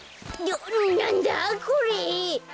なんだこれ？